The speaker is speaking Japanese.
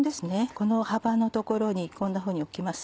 この幅の所にこんなふうに置きます。